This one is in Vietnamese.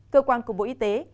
cơ quan của bộ y tế